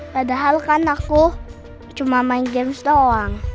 padahal kan aku cuma main games doang